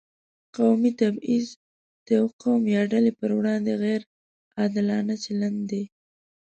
قومي تبعیض د یو قوم یا ډلې پر وړاندې غیر عادلانه چلند دی.